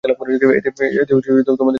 এতে তোমাদের কী লাভ?